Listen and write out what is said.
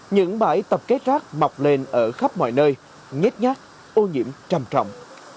những bãi tập kết rác mọc lên ở khắp mọi nơi nết nhát ô nhiễm trầm trọng